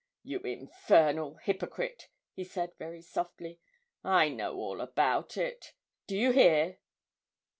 'You infernal hypocrite!' he said very softly. 'I know all about it. Do you hear?'